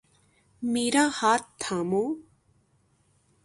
میرا ہاتھ تھامو۔